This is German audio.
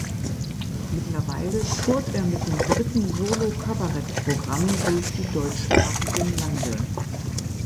Mittlerweile tourt er mit dem dritten Solo-Kabarett-Programm durch die deutschsprachigen Lande.